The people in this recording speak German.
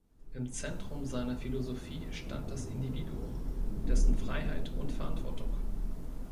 Im Zentrum seiner Philosophie stand das Individuum, dessen Freiheit und Verantwortung.